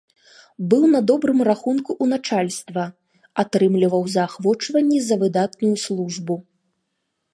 Быў на добрым рахунку ў начальства, атрымліваў заахвочванні за выдатную службу.